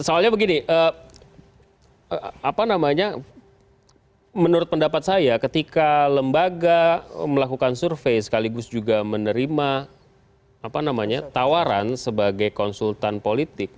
soalnya begini menurut pendapat saya ketika lembaga melakukan survei sekaligus juga menerima tawaran sebagai konsultan politik